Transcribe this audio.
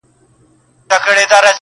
خاورو او لمر، خټو یې وړي دي اصلي رنګونه!